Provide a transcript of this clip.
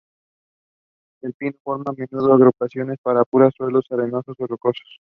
Este pino forma a menudo agrupaciones puras en suelo arenoso o rocoso.